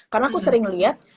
karena aku sering lihat